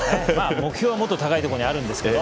目標はもっと高いところにあるんですけど。